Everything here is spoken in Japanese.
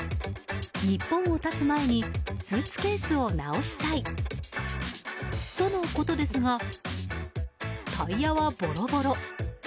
日本を発つ前に、スーツケースを直したいとのことですがタイヤはボロボロ。